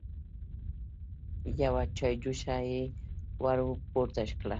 يوه چايجوشه يې ور پورته کړه.